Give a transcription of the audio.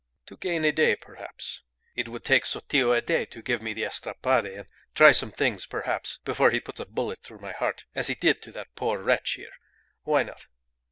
To gain a day perhaps. It would take Sotillo a day to give me the estrapade, and try some other things perhaps, before he puts a bullet through my heart as he did to that poor wretch here. Why not?"